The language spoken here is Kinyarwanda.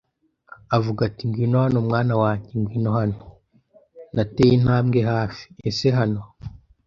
Avuga ati: “Ngwino hano, mwana wanjye. “Ngwino hano.” Nateye intambwe hafi. “Ese hano?